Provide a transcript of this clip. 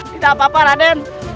tidak apa apa raden